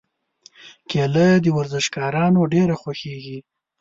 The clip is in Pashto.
کېله د ورزشکارانو ډېره خوښېږي.